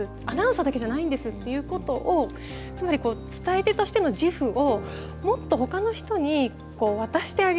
アナウンサーだけじゃないんです」っていうことをつまり伝え手としての自負をもっとほかの人に渡してあげる。